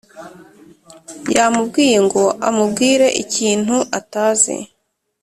yamubwiye ngo amubwire ikintu atazi